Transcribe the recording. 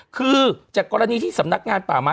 คือจากกรณีที่สำนักงานป่าไม้